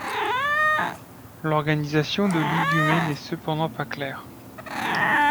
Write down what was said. L'organisation de l'Idumée n'est cependant pas claire.